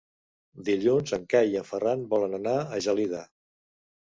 Dilluns en Cai i en Ferran volen anar a Gelida.